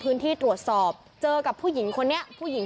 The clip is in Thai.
แต่อย่างที่บอกค่ะแม่ลูกสามคนนี้ไม่มีใครสวมหน้ากากอนามัยเลยอ่ะค่ะ